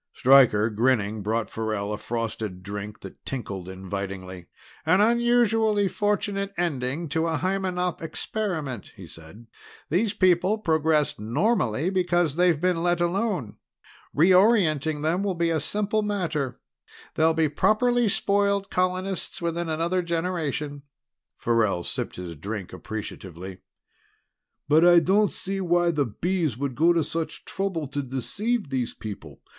Stryker, grinning, brought Farrell a frosted drink that tinkled invitingly. "An unusually fortunate ending to a Hymenop experiment," he said. "These people progressed normally because they've been let alone. Reorienting them will be a simple matter; they'll be properly spoiled colonists within another generation." Farrell sipped his drink appreciatively. "But I don't see why the Bees should go to such trouble to deceive these people.